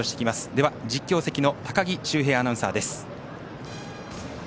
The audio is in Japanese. では、実況席の高木修平アナウンサーです。